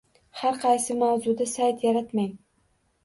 Har qaysi mavzuda sayt yaratmang